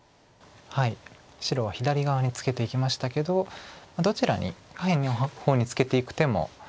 白は左側にツケていきましたけどどちらに下辺の方にツケていく手も考えられて。